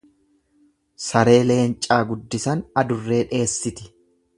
Saree leencaa guddisan adurree dheessiti.